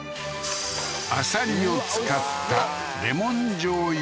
アサリを使ったレモンじょうゆ